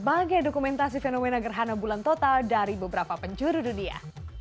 sebagai dokumentasi fenomena gerhana bulan total dari beberapa penjuru dunia